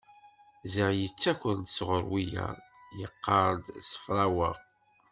Ziɣ yettaker-d sɣur wiyaḍ, yeqqar-d ssefraweɣ!